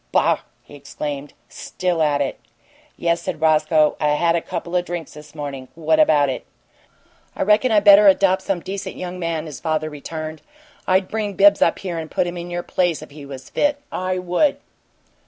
"Boh!" he exclaimed. "Still at it!" "Yes," said Roscoe. "I've had a couple of drinks this morning. What about it?" "I reckon I better adopt some decent young man," his father returned. "I'd bring Bibbs up here and put him in your place if he was fit. I would!"